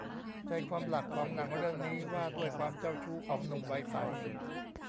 ใจความหลักของหนังเรื่องนี้ว่าด้วยความเจ้าชู้ของหนุ่มวัยใส